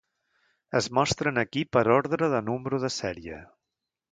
Es mostren aquí per ordre de número de sèrie.